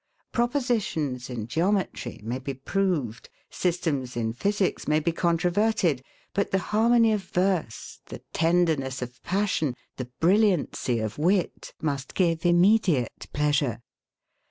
Propositions in geometry may be proved, systems in physics may be controverted; but the harmony of verse, the tenderness of passion, the brilliancy of wit, must give immediate pleasure.